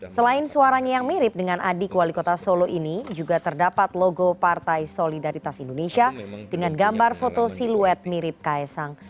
selain suaranya yang mirip dengan adik wali kota solo ini juga terdapat logo partai solidaritas indonesia dengan gambar foto siluet mirip kaisang